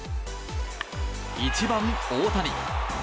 １番、大谷。